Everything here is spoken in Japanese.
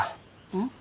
うん？